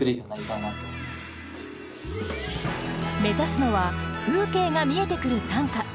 目指すのは風景が見えてくる短歌。